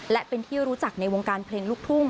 และเป็นที่รู้จักในวงการเพลงลูกทุ่ง